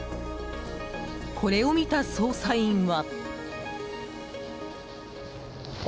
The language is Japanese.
これを見た捜査員は。